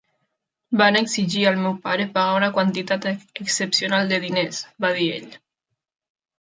"Van exigir al meu pare pagar una quantitat excepcional de diners", va dir ell.